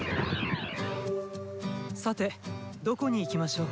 さてどこに行きましょう？